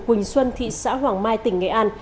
quỳnh xuân thị xã hoàng mai tỉnh nghệ an